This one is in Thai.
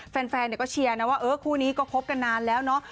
แฟนก็เชียร์นะว่าเออคู่นี้ก็คบกันนานแล้วเนาะ